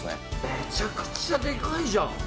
めちゃくちゃでかいじゃん。